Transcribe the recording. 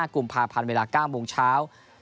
กุมภาพันธ์เวลา๙โมงเช้า